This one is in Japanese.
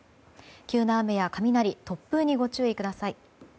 急な雨や雷、突風にご注意ください。